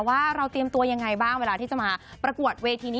ว่าเราเตรียมตัวยังไงบ้างเวลาที่จะมาประกวดเวทีนี้